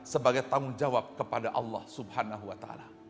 sebagai tanggung jawab kepada allah swt